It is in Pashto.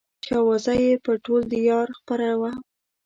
چې اوازه يې پر ټول ديار خپره وه.